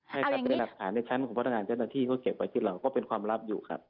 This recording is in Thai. ใช่ครับเป็นหลักฐานในชั้นของพนักงานเจ้าหน้าที่เขาเก็บไว้ที่เราก็เป็นความลับอยู่ครับ